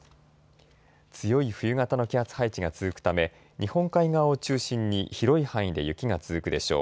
強い冬型の気圧配置が続くため日本海側を中心に広い範囲で雪が続くでしょう。